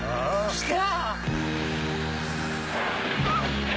来た！